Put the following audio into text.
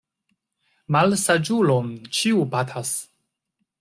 Malsaĝulon ĉiu batas.